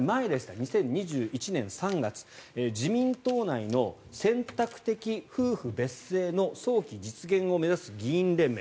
２０２１年３月自民党内の選択的夫婦別姓の早期実現を目指す議員連盟